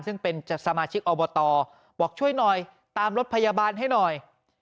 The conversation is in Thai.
ซึ่งเป็นสมาชิกอบตบอกช่วยหน่อยตามรถพยาบาลให้หน่อย